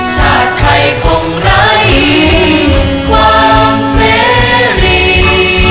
ชาติไทยคงร้ายความเสียดี